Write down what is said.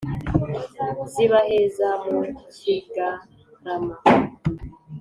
Zibaheza mu kigarama